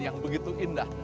yang begitu indah